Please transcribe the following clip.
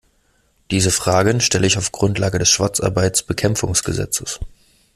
Diese Fragen stelle ich auf Grundlage des Schwarzarbeitsbekämpfungsgesetzes.